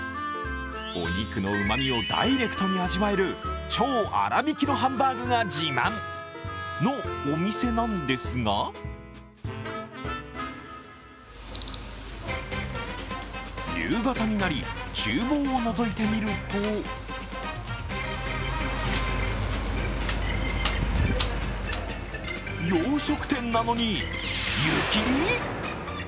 お肉のうまみをダイレクトに味わえる超粗びきのハンバーグが自慢のお店なんですが夕方になりちゅう房をのぞいてみると洋食店なのに湯切り？！